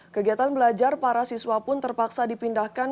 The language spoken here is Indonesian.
kegiatan belajar para siswa pun terpaksa dipindahkan